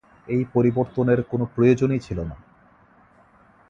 এই পরিবর্তনের কোন প্রয়োজনই ছিল না।